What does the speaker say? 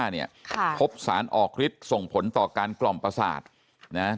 เนี่ยค่ะพบสารออกฤทธิ์ส่งผลต่อการกล่อมประสาทนะ